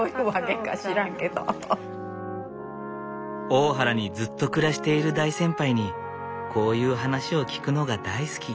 大原にずっと暮らしている大先輩にこういう話を聞くのが大好き。